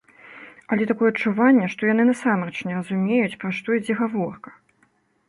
Але такое адчуванне, што яны насамрэч не разумеюць, пра што ідзе гаворка.